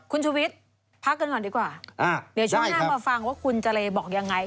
คุณชุวิตพักกันก่อนดีกว่าเดี๋ยวช่วงหน้ามาฟังว่าคุณเจรบอกยังไง